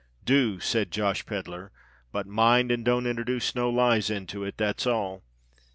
"Do," said Josh Pedler. "But mind and don't introduce no lies into it—that's all."